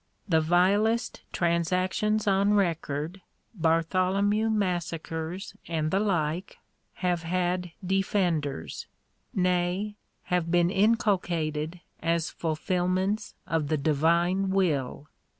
The vilest trans actions on record — Bartholomew massacres and the like — have had defenders ; nay, have been inculcated as fulfilments of the Divine will.